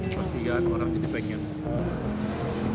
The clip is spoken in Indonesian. kasihan orang ini pengen